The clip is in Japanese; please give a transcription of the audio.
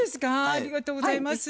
ありがとうございます。